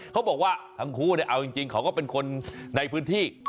เขาบอกว่าทั้งคู่เอาจริงเขาก็เป็นคนในพื้นที่